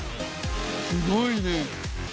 「すごいね！」